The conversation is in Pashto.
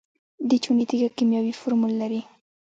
د چونې تیږه کیمیاوي فورمول لري.